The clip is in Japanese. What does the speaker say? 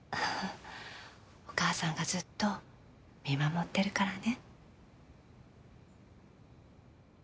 お母さんがずっと見守ってるからね